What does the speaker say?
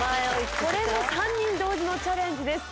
これも３人同時のチャレンジです。